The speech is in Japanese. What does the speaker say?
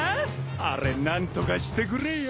あれ何とかしてくれよ！